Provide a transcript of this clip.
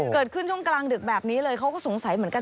เกิดขึ้นช่วงกลางดึกแบบนี้เลยเขาก็สงสัยเหมือนกัน